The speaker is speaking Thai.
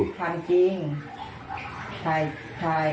เขาก็ยอมรับสาวว่าเขาถ่ายจริง